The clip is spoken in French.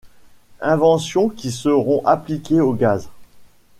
Inventions qui seront appliquées au gaz.